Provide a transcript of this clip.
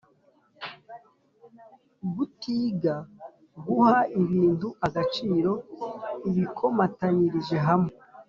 gutiga: guha ibintu agaciro ubikomatanyirije hamwe